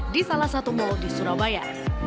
di salah satu mal di surabaya